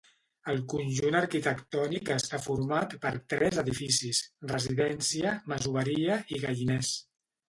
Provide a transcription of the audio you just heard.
El conjunt arquitectònic està format per tres edificis: residència, masoveria i galliners.